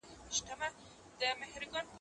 نور د ټولو كيسې ټوكي مسخرې وې